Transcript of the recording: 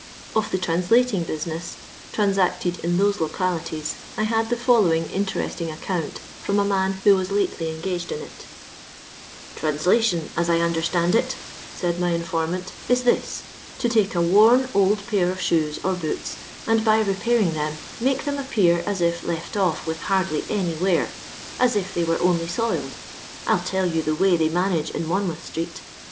Of the "translating" business transacted in those localities I had the follow ing interesting account from a man who was lately engaged in it " Translation, as I understand it (said my in formant), is this — to take a worn, old pair of shoes or boots, and by repairing them make them appear as if left oiF with hardly any wear — as if they were only soiled. I'll tell you the way they manage in Monmouth street.